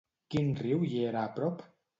Quin riu hi era a prop?